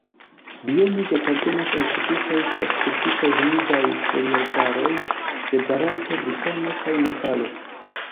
Biome ĝi apartenas al tropikaj kaj subtropikaj humidaj foliarbaroj de Barato, Butano kaj Nepalo.